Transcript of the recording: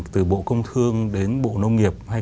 từ bộ công thương đến bộ nông nghiệp